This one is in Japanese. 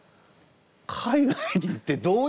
海外に行ってどういう。